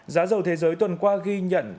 giá dầu thế giới tuần qua ghi nhận